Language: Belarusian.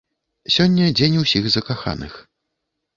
Сёння дзень усіх закаханых.